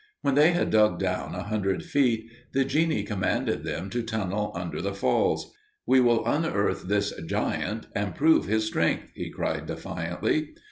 When they had dug down a hundred feet, the genie commanded them to tunnel under the falls. "We will unearth this giant and prove his strength!" he cried defiantly.